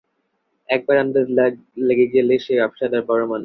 একবার আন্দাজ লেগে গেলেই সে ব্যবসাদার বড়মানুষ।